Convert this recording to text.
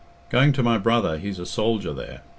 "Going to my brother—he's a soldier there."